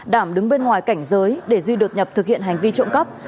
đảm đứng bên ngoài cảnh giới để duy đột nhập thực hiện hành vi trộm cắp